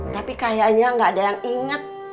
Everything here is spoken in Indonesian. tapi kayaknya enggak ada yang ingat